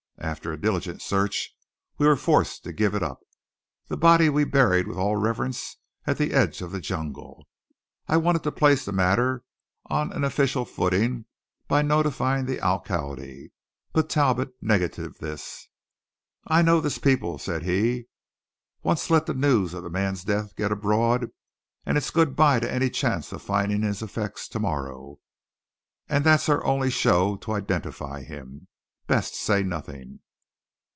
After a diligent search, we were forced to give it up. The body we buried with all reverence at the edge of the jungle. I wanted to place the matter on an official footing by notifying the alcalde, but Talbot negatived this. "I know this people," said he. "Once let the news of a man's death get abroad, and it's good bye to any chance of finding his effects to morrow. And that's our only show to identify him. Best say nothing."